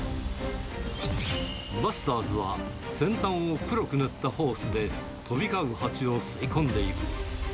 バスターズは、先端を黒く塗ったホースで、飛び交うハチを吸い込んでいく。